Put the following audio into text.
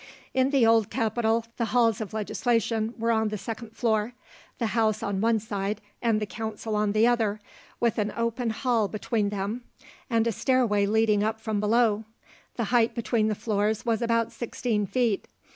In the old capitol the halls of legislation were on the second floor, the house on one side and the council on the other, with an open hall between them and a stairway leading up from below. The height between the floors was about sixteen feet.